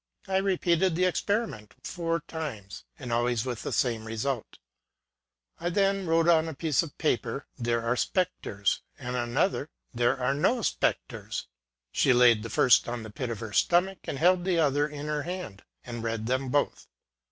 I repeated the experiment four times, and always with the same result. I then wrote on a piece of paper, " There are spectres ;" and on another, '^ There are no spectres." She laid the first on the pit of her stomach, and held the other in her hand, and read them both.